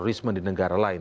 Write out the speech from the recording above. rizman di negara lain